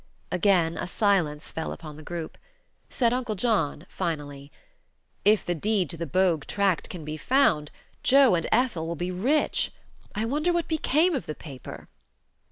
Again a silence fell upon the group. Said Uncle John, finally: "If the deed to the Bogue tract can be found, Joe and Ethel will be rich. I wonder what became of the paper."